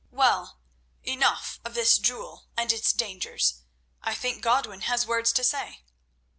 "Well, enough of this jewel and its dangers; I think Godwin has words to say."